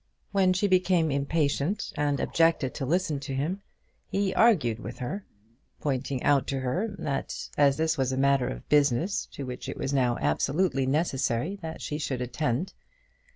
When she became impatient and objected to listen to him, he argued with her, pointing out to her that this was a matter of business to which it was now absolutely necessary that she should attend.